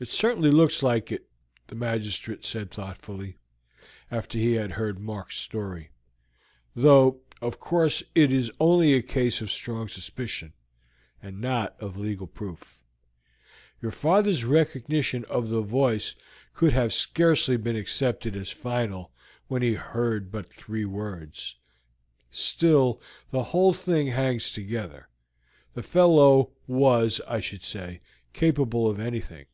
"It certainly looks like it," the magistrate said thoughtfully, after he had heard Mark's story, "though of course it is only a case of strong suspicion, and not of legal proof. Your father's recognition of the voice could have scarcely been accepted as final when he heard but three words, still the whole thing hangs together. The fellow was, I should say, capable of anything.